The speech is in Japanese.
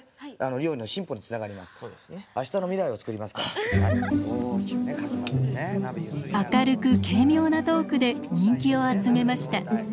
明るく軽妙なトークで人気を集めました。